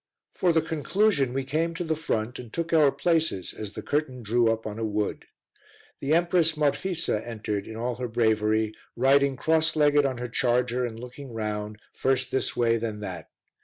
For the conclusion we came to the front and took our places as the curtain drew up on a wood. The Empress Marfisa entered in all her bravery, riding cross legged on her charger and looking round, first this way, then that.